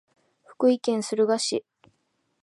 福井県敦賀市